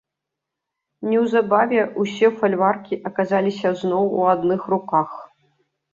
Неўзабаве ўсе фальваркі аказаліся зноў у адных руках.